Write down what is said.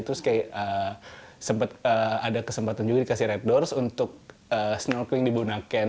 terus kayak sempet ada kesempatan juga dikasih red doors untuk snorkeling di bunaken